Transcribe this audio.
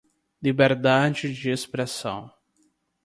Liberdade de expressão